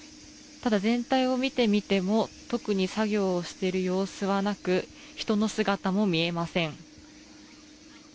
ただ、全体を見てみても特に作業をしている様子はなく人の姿も見えません。